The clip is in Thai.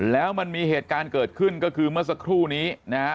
แล้วมันมีเหตุการณ์เกิดขึ้นก็คือเมื่อสักครู่นี้นะฮะ